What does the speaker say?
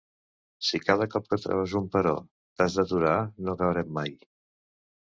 Si cada cop que trobes un però t'has d'aturar no acabarem mai.